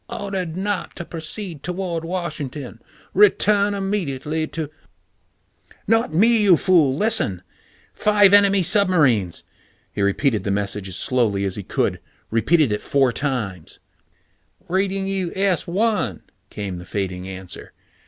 "... ordered not to proceed toward Washington. Return immediately to " "Not me! You fool! Listen! Five enemy submarines " He repeated the message as slowly as he could, repeated it four times. "... reading you S 1," came the fading answer.